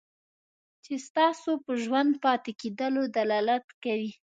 چې ستاسو په ژوندي پاتې کېدلو دلالت کوي.